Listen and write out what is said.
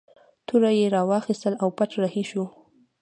توره یې راواخیستله او پټ رهي شو.